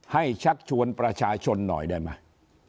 ชักชวนประชาชนหน่อยได้ไหม